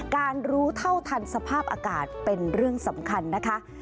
รู้เท่าทันสภาพอากาศเป็นเรื่องสำคัญนะคะ